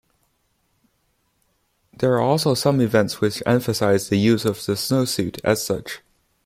There are also some events which emphasize the use of the snowsuit as such.